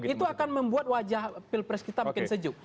itu akan membuat wajah pilpres kita makin sejuk